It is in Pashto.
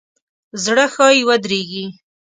زړه ښایي ودریږي.